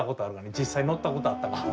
実際乗ったことあったな俺。